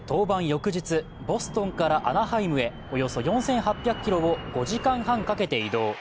翌日、ボストンからアナハイムへおよそ４８００ｋｍをおよそ５時間半かけて移動。